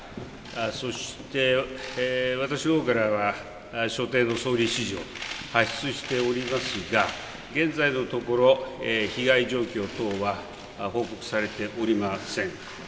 そして、私のほうからは、所定の総理指示を発出しておりますが、現在のところ、被害状況等は報告されておりません。